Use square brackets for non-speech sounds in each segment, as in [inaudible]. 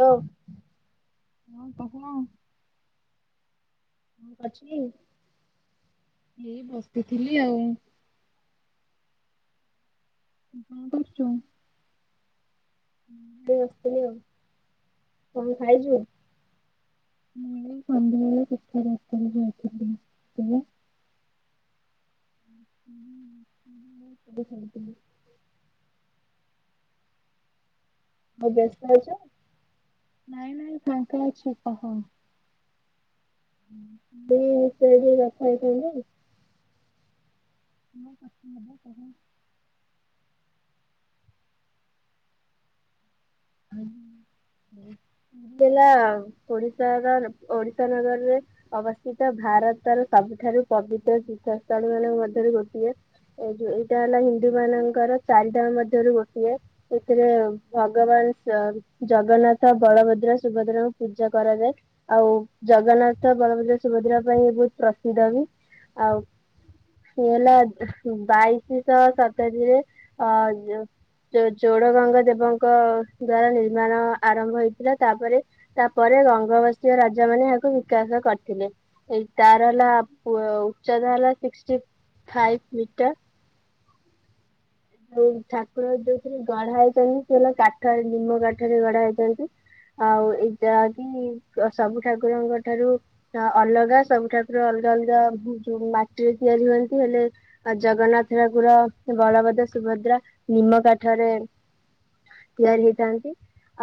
Hello ହଁ କହ [unintelligible] ଏଇ ବସିଥିଲି ଆଉ କଣ କରୁଛୁ? ଏଇ ବସିଥିଲି ଆଉ କଣ ଖାଇଛୁ? [unintelligible] [unintelligible] ହଉ ବ୍ୟସ୍ତ ଆଇଛ ନାଇଁ ନାଇଁ ଫାଙ୍କା ଅଛି କହ [unintelligible] ମୁ କଥା ହବା ପରେ [unintelligible] ହେଲା ଆଉ ଓଡ଼ିଶାର, ଓଡ଼ିଶା ନଗରୀରେ ଅବସ୍ଥିତ ଭାରତର ସବୁଠୁ ଏଠାରୁ ପବିତ୍ର ତୀର୍ଥସ୍ଥଳ ମାନ ମଧ୍ୟରେ ଗୋଟିଏ ଏ ଯ ଏଇଟା ହେଲା ହିନ୍ଦୁ ମାନଙ୍କର ଚାରିଟା ମଧ୍ୟରୁ ଗୋଟିଏ ଏଥିରେ ଭଗବାନ ଚାରି, ଜଗନ୍ନାଥ, ବଳଭଦ୍ର, ସୁଭଦ୍ରାଙ୍କୁ ପୂଜା କରାଯାଏ । ଆଉ ଜଗନ୍ନାଥ [unintelligible] ସେ ହେଲା ବାଇଶିଶହ ସତରିୀରେ ଅ ଚୋଡଗଙ୍ଗ ଦେବଙ୍କ ଦ୍ଵାରା ନିର୍ମାଣ ଆରମ୍ଭ ହେଇଥିଲା ତାପରେ ତାପରେ ଗଙ୍ଗବାସ ରାଜା ମାନେ ଏହାକୁ ବିକାଶ କରିଥିଲେ ଏ ତାର ହେଲା ଉଚ୍ଚତା ହେଲା ସିଷ୍ଟି ହାଇ ମିଟା ଯଉ ଠାକୁର ଯୋଉଥୀରେ ଗଢ଼ା ହେଇଚନ୍ତି, ସେ ହେଲା କାଠରେ ନିମ କାଠରେ ଗଢ଼ା ହୋଇଛନ୍ତି । ଆଉ ଏ ଯାହା କିି ସବୁ ଠାକୁରଙ୍କ ଠାରୁ ଅଲଗା ସବୁ ଠାକୁର ଅଲା ଅଲଗା ଯୋଉ ମାଟିରେ ତିଆରି ହୁଅନ୍ତି । ହେଲେ ଜଗନ୍ନାଥ ଠାକୁର ବଳଭଦ୍ର, ସୁ ସୁଭଦ୍ରା ନିମ କାଠରେ ତିଆରି ହେଇଥାନ୍ତି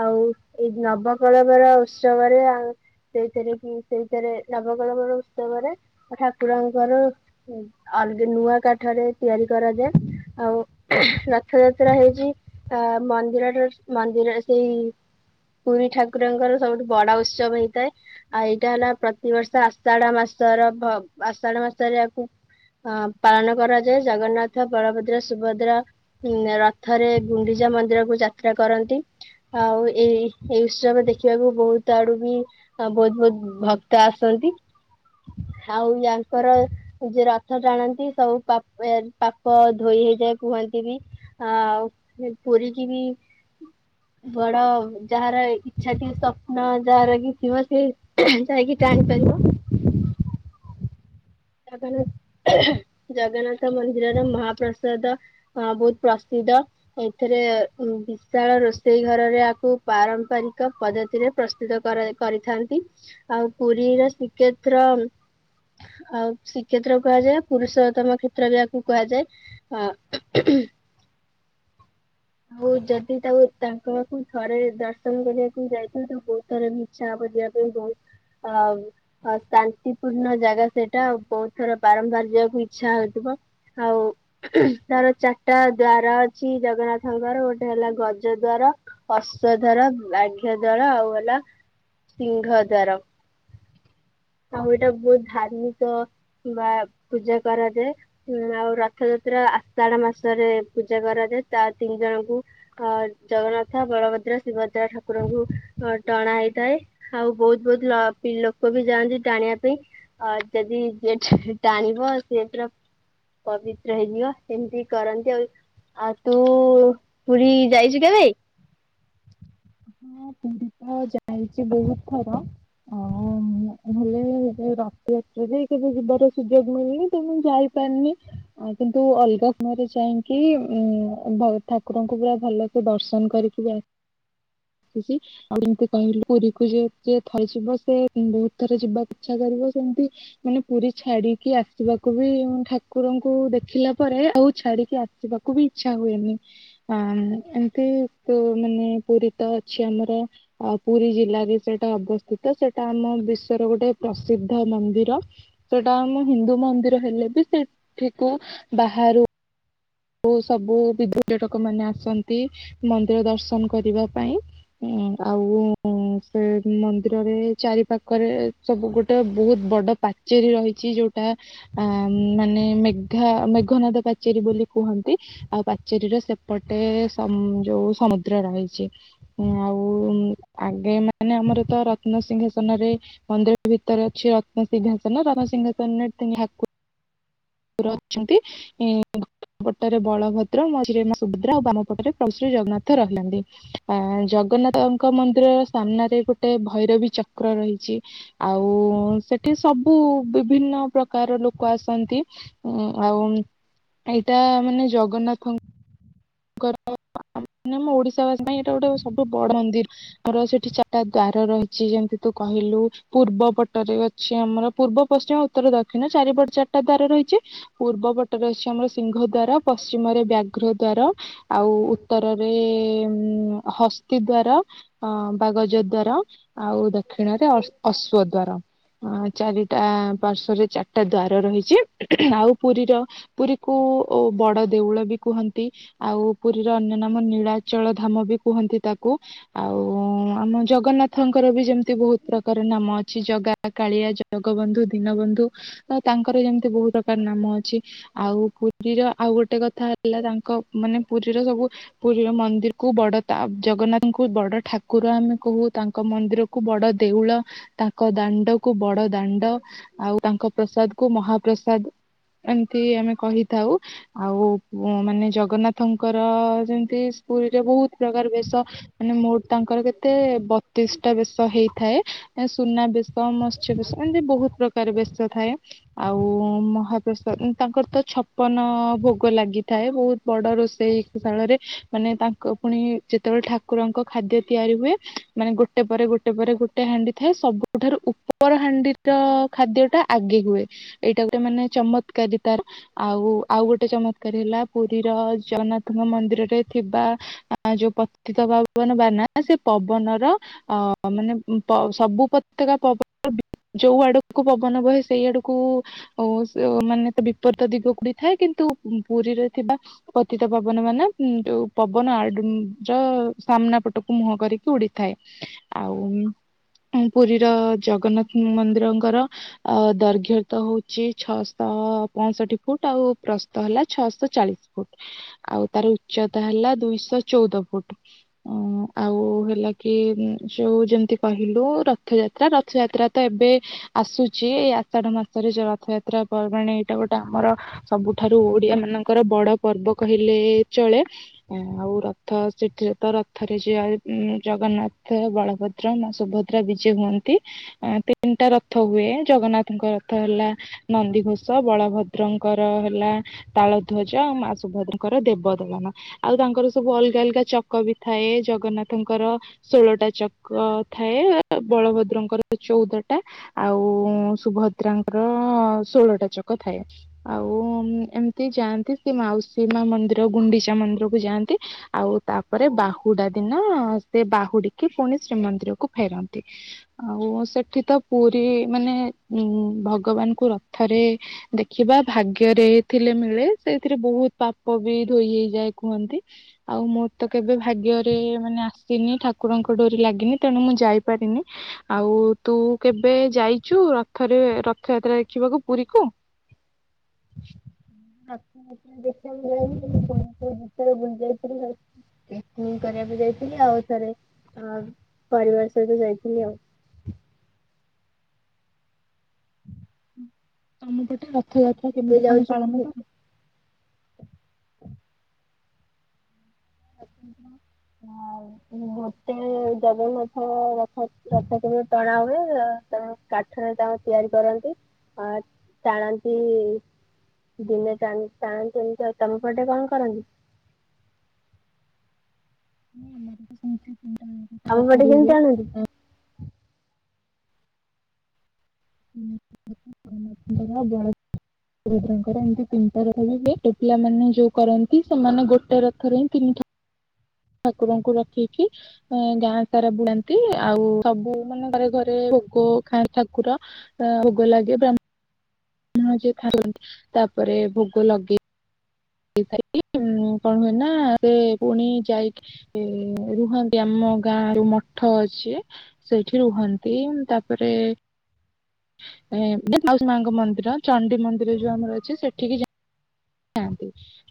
ଆଉ ଏଇ ନବକଳବର ଉତ୍ସବରେ ଆ ସେଇଥିରେ କି ସେଇଥିରେ ନବକଳବର ଉତ୍ସବରେ ଠାକୁରଙ୍କର ଅଲଗ ନୂଆ କାଠରେ ତିଆରି କରାଯାଏ ଆଉ ରଥଯାତ୍ରା ହେଇଛି ଅ ମନ୍ଦିର ର ମନ୍ଦିର ସେଇ ପୁରୀ ଠାକୁରଙ୍କର ସବୁଠୁ ବଡ ଉତ୍ସବ ହେଇଥାଏ ଆଉ ଏଇଟା ହେଲା ପ୍ରତିବର୍ଷ ଆଷାଢ ମାସ ସର ଭବ୍ ଆଷାଢ଼ ମାସରେ ଆକୁ ଅଁ ପାଳନ କରାଯାଏ ଜଗନ୍ନାଥ ବଳଭଦ୍ର ସୁଭ ର-ରଥରେ ଗୁଣ୍ଡିଚା ମନ୍ଦିରକୁ ଯାତ୍ରା କରନ୍ତି । ଆଉ ଏଇ -ଏଇ ଉତ୍ସବ ଦେଖିବାକୁ ବୋହୁତ୍ ଆଡୁବି ବୋହୁତ୍ ବୋହୁତ୍ ଭକ୍ତ ଆସୁ ଯି ଆଉ ୟାଙ୍କର ଯେ ରଥ ଟାଣନ୍ତି । ସବୁ ପାପ ପାପ ଧୋଇ କୁହନ୍ତି ବି ଆଉ ପୁରୀ କି ବି ବଡ଼ ଯାହାର ଇ୍ଛା ଥିବ ସ୍ୱପ୍ନ ଯାହାର କି ଥିବ ସେ ଯାଇକି ଟାଣି ପାରିବ। ଜଗନ୍ନାଥ ଜଗନ୍ନାଥ ମନ୍ଦିରର ମହାପ୍ରସାଦ ବହୁତ ପ୍ରସି ଦ୍ଧ ଏଥିରେ ବିଶାଳ ରୋଷେଇ ଘରରେ ଆକୁ ପାରମ୍ପରିକ ପଦ୍ଧତିରେ ପ୍ରସ୍ତୁତ କରାଇ -କରିଥାନ୍ତି। ଆଉ ପୁରୀରେ ଶ୍ରୀକ୍ଷେତ୍ର ଆଉ ଶ୍ରୀକ୍ଷେତ୍ର କୁହାଯାଏ ପୁରୁଷୋତ୍ତମ କ୍ଷେତ୍ର ବି ୟାକୁ କୁହାଯାଏ। ଆଉ ଯଦି ତାକୁ -ତାଙ୍କ ପାଖକୁ ଥରେ ଦର୍ଶନ କରିବାକୁ ଯାଇଥାଆନ୍ତ ବୋହୁତ୍ ଥର ବି ଇଛା ହବ ଯି ଯିବା ପାଇଁ ବହୁତ ଅ ଶାନ୍ତିପୂର୍ଣ୍ଣ ଜାଗା ସେଇଟା ବୋଉ ଥର ବାରମ୍ବାର ଯିବାକୁ ଇଛା ହଉଥିବ ଆଉ ତାର ଚାରିଟା ଦ୍ଵାର। ଜଗନ୍ନାଥଙ୍କର ଗୋଟେ ହେଲା ଗଜ ଦ୍ୱାରା, ଅଶ୍ଵ ଦ୍ୱାର ବ୍ରାଘ୍ୟ ଦ୍ୱାର ଆଉ ହେଲା । ସିଂହ ଦ୍ୱାର ଆଉ ଏଇଟା ବହୁତ ଧାର୍ମିକ । ବା ପୂଜା କରାଯାଏ ଆଉ ରଥଯାତ୍ରା ଆଷାଢ ମାସରେ ପୂଜା କରା । ତା ତିନି ଜଣଙ୍କୁ ଅ ଜଗନ୍ନାଥ, ବଳଭଦ୍ର, ସୁଭଦ୍ରା ଠାକୁରଙ୍କୁ ଟଣା ହେଇଥାଏ ଆଉ ବହୁତ ବହୁତ ଲୋକବି ଯାଆନ୍ତି ଟାଣିବା ପାଇଁ ଆ ଯଦି ସେ ଟାଣିବ ସିଏ ପୁରା ପବିତ୍ର ହେଇଯିବ ସେମିତି କରନ୍ତି ଆଉ। ଆଉ ତୁ ପୁରୀ ଯାଇଛୁ କେବେ? ହଁ ପୁରୀ ତ ଯାଇଛି ବହୁତ ଥର। ଓ ଭଲେ ରଥଯାତ୍ରା ଯାଇ କେବେ ଯିବାର ସୁଯୋଗ ମିଳନି ତ ମୁଁ ଯାଇ--। ପାରିନି କିନ୍ତୁ ଅଲଗା ସମୟରେ ଯାଇକି ଉଁ ବଡ଼ ଠାକୁରଙ୍କୁ ପୁରା ଭଲ--। ସେ ଦର୍ଶନ କରିକି ଯାଅ। ଆଉ ଏମିତି କହିଲୁ ପୁରୀ କୁ ଯିଏ ଥରେଯିବ ସେ ବହୁତ ଥର ଯିବାକୁ ଇଚ୍ଛା କରିବ। ସେମତି ମାନେ ପୁରୀ ଛାଡିକି ଆସିବାକୁ ବି ଠାକୁରଙ୍କୁ ଦେଖିଲା ପରେ ଆଉ ଛା--। କି ଆସିବାକୁ ବି ଇଚ୍ଛା ହୁଏନି ଆଁ ଏମ୍ତି ତ ମାନେ। ପୁରୀ ତ ଅଛି ଆମର ଆଉ ପୁରୀ ଜିଲ୍ଲାବି ସେଇଟା ଅବସ୍ଥିତ ସେଟା ଆମ ବିଶ୍ୱର ଗୋଟେ ପ୍ରସିଦ୍ଧ ମନ୍ଦିର ସେଟା ଆମ ହିନ୍ଦୁ ମନ୍ଦିର ହେଲେ ବି ସେଠିକୁ ବାହା ଆରୁ ଆଉ ସବୁ ବିବିଧ ପର୍ଯ୍ୟଟକ ମାନେ ଆସନ୍ତି ମନ୍ଦିର ଦର୍ଶନ କରିବା ପାଇଁ। ଉଁ ଆଉ ସେ ମନ୍ଦିରରେ ଚାରିପାଖରେ ସବୁ ଗୋଟେ ବହୁତ। ବଡ ପାଚେରୀ ରହିଛି ଯୋଉଟା ଆ ମାନେ ମେଘା ମେଘନାଦ ପାଚେରୀ ବୋଲି। କୁହନ୍ତି ଆଉ ପାଚେରୀର ସେପଟେ ସ ଯୋଉ ସମୁଦ୍ର ରହିଛି ଅଁ ଆଉ ଆଗେ ମାନେ ଆମର ତ ରତ୍ନସିିଂଘାସନରେ ମନ୍ଦିର ଭିତରେ ଅଛି ରତ୍ନସିଂ--। ସିଂଘାସନ ରାରସିଂଘାସନରେ ତିନିହାକୁ--। ର ଅଛନ୍ତି ଇଁ। ଗୋଟେରେ ବଳଭଦ୍ର, ମଝିରେ ମା ସୁଭଦ୍ରା ଆଉ ବାମ ପଟରେ ପଭୁଶ୍ରୀ ଜଗନ୍ନାଥ ରହିିଲନ୍ଦି ଆ--। ଜଗନ୍ନାଥଙ୍କ ମନ୍ଦିରର ସାମ୍ନାରେ ଗୋଟେ ଭୈରବୀ ଚକ୍ର ରହିଛି ଆଉ ସେଠି। ସବୁ ବିଭିନ୍ନ ପ୍ରକାର ଲୋକ ଆସନ୍ତି। ଆଉ ଏଇଟା ମାନେ ଜଗନ୍ନାଥଙ୍କ। [inaudible] ମାନେ ମୋ ଓଡିଶା ବାସୀ ପାଇଁ ଏଇଟା ଗୋଟେ ସବଠୁ ବଡ ମନ୍ଦିର ର ସେଠି ଚାରିଟା ଦ୍ଵାର ରହିଛି ଯେମିତି ତୁ--। କହିଲୁ ପୂର୍ବ ପଟରେ ଅଛି ଆମର ପୂର୍ବ, ପଶ୍ଚିମ, ଉତ୍ତର, ଦକ୍ଷିଣ ଚାରିପଟେ ଚାରିଟା ଦ୍ୱାର ରହିଛି। ପୂର୍ବ ପଟରେ ଅଛି ସିଂଘ ଦ୍ୱାର ପଶ୍ଚିମାରେ ବ୍ୟାଘ୍ର ଦ୍ୱାର। ଆଉ ଉତ୍ତରରେ ହସ୍ତି ଦ୍ୱାର ଅ ବାଗଜ ଦ୍ୱାର। ଆଉ ଦକ୍ଷିଣରେ ଅଶ୍ଵ ଦ୍ୱାର। ଅ ଚାରିଟା ପାର୍ଶ୍ଵରେ ଚାରିଟା ଦ୍ଵାର ରହିଛି ଆଉ ପୁରୀର ପୁରୀକୁ। କୁ ବଡ ଦେଉଳ ବି କୁହନ୍ତି। ଆଉ ପୁରୀର ଅନ୍ୟ ନାମ ନୀଳାଚଳ ଧାମ ବି କୁହନ୍ତି ତାକୁ ଆଉ ଆମ ଜଗନ୍ନା--। ଜଗନ୍ନାଥଙ୍କର ବି ଯେମତି ବହୁତ ପ୍ରକାର ନାମ ଅଛି ଜଗା, କାଳିଆ, ଜଗବନ୍ଧୁ, ଦୀନବନ୍ଧୁ। ତାଙ୍କର ଯେମିତି ବହୁ ପ୍ରକାର ନାମ ଅଛି ଆଉ ପୁରୀର ଆଉ ଗୋଟେ କଥା ହେଲା ତାଙ୍କ। ମାନେ ପୁରୀର ସବୁ ପୁରୀର ମନ୍ଦିର କୁ ବଡ ତା ଜଗନ୍ନାଥଙ୍କୁ ବଡ ଠାକୁର ଆମେ କହୁ। ତାଙ୍କ ମନ୍ଦିର କୁ ବଡ ଦେଉଳ, ତାଙ୍କ ଦାଣ୍ଡ କୁ ବଡ ଦାଣ୍ଡ, ଆଉ ତାଙ୍କ ପ୍ର- ସାଦ କୁ ମହାପ୍ରସାଦ ଏମିତି ଆମେ କହିଥାଉ ଆଉ ମାନେ ଜ--। ଜଗନ୍ନାଥଙ୍କର ଯେମତି ପୁରୀରେ ବୋହୁତ ପ୍ରକାର ବେଶ ମାନେ ମୋଟ ତାଙ୍କର କେତେ ବତିଶିଟା ବେଶ ହେଇଥାଏ ସୁନା ବେଶ, ମତ୍ସ୍ୟ ବେଶ, ଏମିତି ବେହୁତ ପ୍ରକାର ବେଶ ଥାଏ। ଆଉ ମହାପ୍ରସାଦ ତାଙ୍କର ତ ଛପନ ଭୋଗ ଲାଗିଥାଏ ବହୁତ। ବଡ ରୋଷେଇ ଶାଳରେ ମାନେ ତାଙ୍କ ଫୁଣି ଯେତେବେଳେ ଠାକୁରଙ୍କ ଖାଦ୍ୟ ତିଆରି ହୁଏ। ମାନେ ଗୋଟେ ପରେ ଗୋଟେ ପରେ ଗୋଟେ ହାଣ୍ଡି ଥାଏ ସବୁଠାରୁ ଉପର ହାଣ୍ଡିର ଖାଦ୍ୟ ଟା ଆଗେ ହୁଏ ଏଇଟା ଗୋଟେ ମାନେ ଚମତ୍କାରୀ ତା ଆଉ ଆଉ ଗୋଟେ ଚମକାରୀ ହେଲା ପୁ ରୀ ମନ୍ଦିର ଜଗନ୍ନାଥଙ୍କ ମନ୍ଦିରରେ ଥିବା ଯୋଉ ପତିିତ ପାବନ ବାନା ସେ ପବନ ପବନର ଅ ମାନେ ପ ସବୁ ପତକା ପବନର [inaudible] ବି ଯୋଉ ଆଡକୁ ପବନ ବହେ ସେଇ ଆଡକୁ ମାନେ ତ ବିପରତ ଦିଗ କୁ ଥାଏ କି ନ୍ତୁ ପୁରୀରେ ଥିବା ପତିିତ ପାବନ ବାନା ଯୋଉ ପବନ ଆଡୁ ଯ ସାମ୍ନା ପଟକୁ ମୁହଁ କରି ଉଡିଥାଏ ଆଉ ପୁରୀର ଜଗନ୍ନାଥ ମନ୍ଦିରଙ୍କର ଅ ଦୈର୍ଘତ ହୋଉଚି ଛଅ ସହ ଅ ପଅଂଷଠି ଫୁଟ ଆଉ ପ୍ରସ୍ତ ହେଲା ଛଅଶ ଚାଳିଶ ଫୁଟ ଆଉ ତାର ଉଚ୍ଚତା ହେଲା ଦୁଇଶହ ଚଉଦ ଫୁଟ ଆଉ ଉ ହେଲା କି ଯୋଉ ଯେମିତି କହିଲୁ ରଥଯାତ୍ରା ରଥଯାତ୍ରା ତ ଏବେ ଆସୁ ସିଏ ଆଷାଢ ମାସରେ ଯୋଉ ରଥଯାତ୍ରା ପର୍ବାଣି ଏଇଟା ଗୋଟେ ଆମର ସବୁଠାରୁ ଓଡିଆ ମାନ ତାଙ୍କର ବଡ ପର୍ବ କହିଲେ ଚଳେ ଆଉ ରଥ ସେଥିରେ ତ ରଥରେ ଯାଏ। ଉଁ ଜଗନ୍ନାଥ ବଳଭଦ୍ର ମା ସୁଭଦ୍ରା ବିଜେ ହୁଅନ୍ତି ଆଂ ତିନିଟା ରଥ ହୁଏ। ଜଗନ୍ନାଥଙ୍କ ରଥ ହେଲା ନନ୍ଦି ଘୋଷ ବଳଭଦ୍ରଙ୍କର ହେଲା ତାଳ ଧ୍ୱଜ ମା ସୁଭଦ୍ରଙ୍କର ଦେବଦଳନ ଆଉ ତାଙ୍କର ସବୁ ଅଲଗା ଅଲଗା ଚକ ବି ଥାଏ ଜଗନ୍ନା ଥଙ୍କର ଷୋଳଟା ଚକ ଥାଏ ବଳଭଦ୍ରଙ୍କର ଚଉଦଟା ଆଉ ଉଁ ସୁଭଦ୍ରାଙ୍କର ଷୋଳଟା ଚକ ଥାଏ ଆଉ ଏମିତି ଯାଆ ସେ ମାଉସୀ ମା ମନ୍ଦିର ଗୁଣ୍ଡିଚା ମନ୍ଦିରକୁ ଯାଆନ୍ତି ଆଉ ତାପରେ ବାହୁଡା ଦିନ ସେ ବାହୁଡି କି ପୁଣି ଶ୍ରୀମନ୍ଦିର କୁ ଫେରନ୍ତି ଆଉ ସେଠି ତ ପୁରୀ ମାନେ ଉଁ ଭଗବାନଙ୍କୁ ରଥରେ ଦେଖିବା ଭାଗ୍ୟରେ ଥିଲେ ମିଳେ। ସେଇଥିରେ ବୋହୁତ ପାପ ବି ଧୋଇ ହେଇଯାଏ କୁହନ୍ତି ଆଉ ମୋରତ କେବେ ଭାଗ୍ୟରେ ମାନେ ଆସିନି ଠାକୁରଙ୍କ ଡୋରି ଲାଗିନି ତେଣୁ ମୁଁ ଯାଇପାରିନି ଆଉ ତୁ କେବେ ଯାଇ ଚୁ ରଥରେ ରଥଯାତ୍ରା ଦେଖିବାକୁ ପୁରୀକୁ? ରଥଯାତ୍ରା ଦେଖିବାକୁ [inaudible] ଭିତରେ ବୁଲି ଯାଇଥିଲି। ପିକନିକ୍ କରିବାକୁ ଯାଇଥିଲି ଆଉ ଥରେ ପରିବାର ସହିତ ଯାଇଥିଲି ଆଉ। ତମ ପଟେ ରଥଯାତ୍ରା ଏବେ କେମିତି କଣ ଯାଉଛୁ ପୁରୀ ପାଳନ କର? [inaudible] ଜଗନ୍ନାଥ ରଥ ରଥ କେବେ ଟଣା ହୁଏ ତା କାଠରେ ତାଙ୍କୁ ତିଆରି କରନ୍ତି। ଆ ଟାଣନ୍ତି। ଦିନେ ଟାଣ ଟାଣନ୍ତିନି ତ ତମ ପଟେ କଣ କରନ୍ତି? ହଁ ଆମର ବୀ ସେମତି। ଆମ ପଟେ କେମିତି ଟାଣନ୍ତି? [unintelligible] ରୁଦ୍ରଙ୍କର ଏମିତି ତିନିଟା ରଥ ବି ହୁଏ ଛୋଟୋ ପିଲାମାନେେ ଯୋଉ କରନ୍ତି ସେମାନେ ଗୋଟେ ରଥରେ ହିଁ ତିନି ଠା କୁରଙ୍କୁ ରଖିକି ଗାଁ ସାରା ବୁଳାନ୍ତି ଆଉ ସବୁ ମାନେ ଘରେ ଘରେ ଭୋଗ ଖାନ୍ତି ଠାକୁର ଆଂ ଭୋଗ ଲାଗେ ବ୍ରା ହ୍ମଣ ଯେ ଖଆନ୍ତି ତାପରେ ଭୋଗ ଲଗେଇ [inaudible] ସାରି କଣ ହୁଏ ନା ସେ ପୁଣି ଯାଇ ରୁହନ୍ତି ଆମ ଗାଁ ରୁ ମଠ ସିଏ ସେଇଠି ରୁହନ୍ତି ତାପରେ ଏ ମାଉସୀ ମାଙ୍କ ମନ୍ଦିର ଚଣ୍ଡି ମନ୍ଦିର ଯୋଉ ଆମର ଅଛି ସେଠିକି ଯା ଯାଆନ୍ତି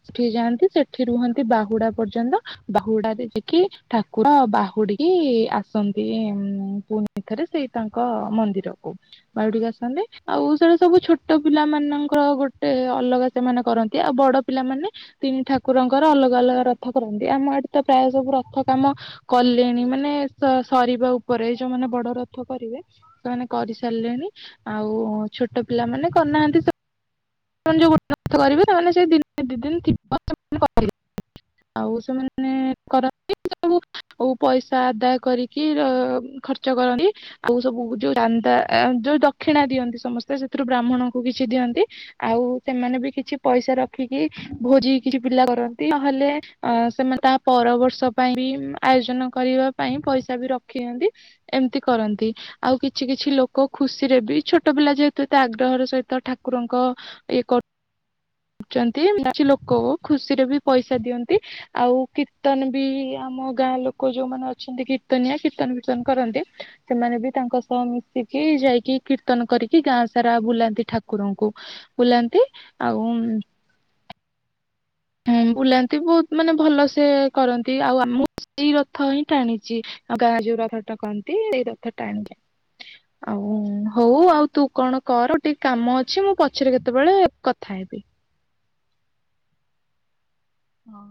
ସେଠି ଯାଆନ୍ତି ସେଠି ରୁହନ୍ତି ବାହୁଡା ପର୍ଯ୍ୟନ୍ତ ବାହୁଡା ରେ ଯାଇକି ଠାକୁର ବାହୁଡିକି ଆସନ୍ତି ଉ ପୁଣିଥରେ ସେଇ ତାଙ୍କ ମନ୍ଦିରକୁ। ବାୟଡିକୁ ଆସନ୍ତି ଆଉ ସେଟା ସବୁ ଛୋଟ ପିଲା ମାନଙ୍କର ଗୋଟେ ଅଲଗା ସେମାନେ କରନ୍ତି। ଆଉ ବଡ ପିଲାମାନୋନେ ତିନି ଠାକୁରଙ୍କର ଅଲଗା ଅଲଗା ରଥ କରନ୍ତି ଆମ ଏଠି ତ ପ୍ରାୟ ସବୁ ରଥ କାମ। କଲେଣି ମାନେ ସରିବା ଉପରେ ଯୋଉମାନେ ବଡ଼ ରଥ କରିବେ ସେମାନେ କରିସାରି। ଲେନି ଆଉ ଛୋଟ ପିଲା ମାନେ କରିନାହାନ୍ତି ଯଉ ଗୋଟେ କରିବେ ସେମାନେ ସେ ଦିନେ ଦି ଦିନ ଥିବ ସେମାନେ କରିବେ କଥା କହି ନାହାନ୍ତି। ଆଉ ସେମାନେ କରନ୍ତି ସବୁ ଆଉ ପଇସା ଆଦାୟ କରିକି ଖର୍ଚ୍ଚ। କରନ୍ତି ଆଉ ସବୁ ଯୋଉ ଚାନ୍ଦା ଯୋଉ ଦକ୍ଷିଣା ଦିଅନ୍ତି ସମସ୍ତେ ସେଥିରୁ ବ୍ରାହ୍ମଣଙ୍କୁ ଛନ୍ତି। ଆଉ ସେମାନେ ବି କିଛି ପଇସା ରଖିକି ଭୋଜି କିଛି ପିଲା କରନ୍ତି। ତା ପର ବର୍ଷ ପାଇଁ ବି ଆୟୋଜନ କରିବା ପାଇଁ ପଇସା ବି ରଖିିଅନ୍ତି ଏମିତି କରନ୍ତି। ଆଉ କିଛି କିଛି ଲୋକ ଖୁସି ରେ ବି ଛୋଟ ପିଲା ଯେହେତୁ ଏତେ ଆଗ୍ରହର ସହିତ ଠାକୁରଙ୍କ ଇଏ କରୁ [inaudible] ଲୋକ ଖୁସିରେ ବି ପଇସା ଦିଅନ୍ତି ଆଉ କୀର୍ତ୍ତନ ବି ଆମ ଗାଁ ଲୋକ ଯୋଉମାନେ ଅଛନ୍ତି କୀର୍ତ୍ତନଆ କୀର୍ତ୍ତନ ବୀର୍ତ୍ତନ କରନ୍ତି ସେମାନେ ବି ତାଙ୍କ ସହ ମିଶିକି ଯା ଯାଇକି କୀର୍ତ୍ତନ କରିକି ଗାଁ ସାରା ବୁଲାନ୍ତି ଠାକୁରଙ୍କୁ। ବୁଲାନ୍ତି ଆଉ ଉଁ ହୁଁ ବୁଲାନ୍ତି ବହୁତ ମାନେ ଭଲସେ କରନ୍ତି ଆଉ ଆମ। ସେଇ ରଥ ହିଁ ଟାଣିଛି ଗାଁ ଯୋଉ ରଥ ଟାକନ୍ତି ଏଇ ରଥ ଟାଣିଛି ଆଉ ହଉ ଆଉ ତୁ କଣ କର ଟିକେ କାମ ଅଛି ମୁଁ ପଛରେ କେତେବେଳେ କଥା ହେବି। ଶବ୍ଦ। ହଁ।